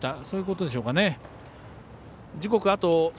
そういうことでしょうかね。